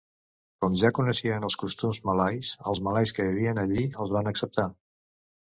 Com ja coneixien els costums malais, els malais que vivien allí els van acceptar.